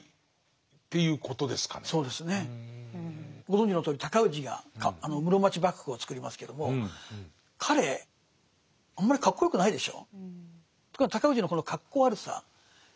ご存じのとおり尊氏が室町幕府をつくりますけども彼あんまりかっこよくないでしょう。